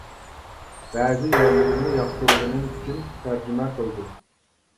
بەزى يەرلىرىنى ياقتۇرغىنىم ئۈچۈن تەرجىمە قىلدىم.